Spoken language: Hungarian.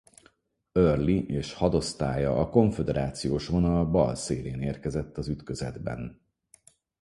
Early és hadosztálya a konföderációs vonal bal szélén érkezett az ütközetben.